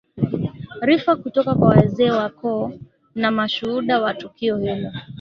rifa kutoka kwa wazee wa koo na mashuhuda wa tukio hilo